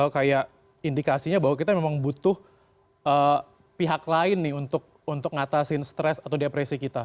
kayak indikasinya bahwa kita memang butuh pihak lain nih untuk ngatasin stres atau depresi kita